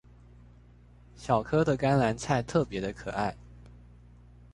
小顆的甘藍菜特別的可愛